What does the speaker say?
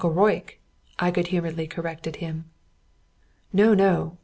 "] "Akarok," I good humouredly corrected him. "No! no!